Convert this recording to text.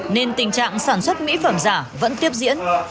nên tình trạng sản xuất mỹ phẩm giả vẫn tiếp diễn